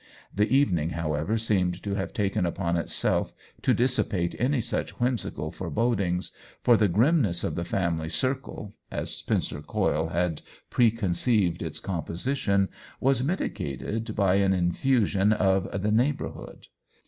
The evening, however, seemed to have taken upon itself to dissi pate any such whimsical forebodings, for the grimness of the family circle, as Spencer Coyle had preconceived its composition, was mitigated by an infusion of the " neigh borhood."